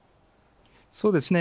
そうですね。